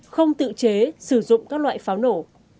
không tự chế sử dụng các loại pháo nổ